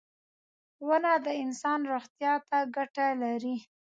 • ونه د انسان روغتیا ته ګټه لري.